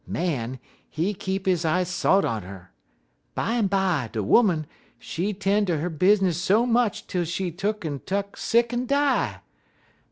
Man, he keep his eyes sot on 'er. Bimeby, de 'Oman, she 'ten' ter her bizness so much tel she tuck'n tuck sick en die.